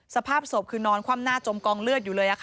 สภาพศพคือนอนคว่ำหน้าจมกองเลือดอยู่เลย